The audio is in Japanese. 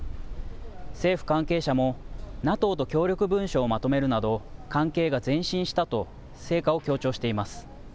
政府関係者も、ＮＡＴＯと協力文書をまとめるなど、関係が前進したと成果を強調しています。